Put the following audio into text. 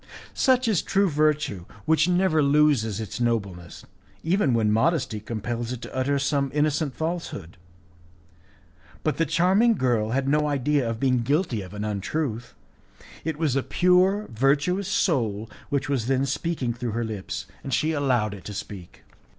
Such is true virtue, which never loses its nobleness, even when modesty compels it to utter some innocent falsehood. But the charming girl had no idea of being guilty of an untruth. It was a pure, virtuous soul which was then speaking through her lips, and she allowed it to speak.